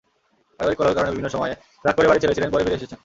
পারিবারিক কলহের কারণে বিভিন্ন সময়ে রাগ করে বাড়ি ছেড়েছিলেন, পরে ফিরে এসেছেন।